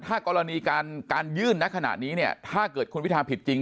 ถ้ากรณีการยื่นณขณะนี้เนี่ยถ้าเกิดคุณวิทาผิดจริง